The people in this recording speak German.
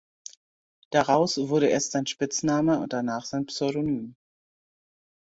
Daraus wurde erst sein Spitzname und danach sein Pseudonym.